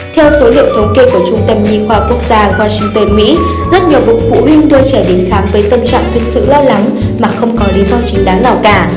theo số liệu thống kê của trung tâm nhi khoa quốc gia washington mỹ rất nhiều bậc phụ huynh đưa trẻ đến khám với tâm trạng thực sự lo lắng mà không có lý do chính đáng nào cả